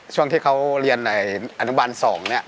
ช่วงที่เขาเรียนอนุบัน๒เนี่ย